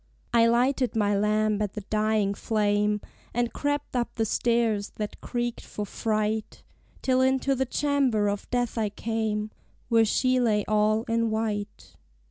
I lighted my lamp at the dying flame, And crept up the stairs that creaked for fright, Till into the chamber of death I came, Where she lay all in white.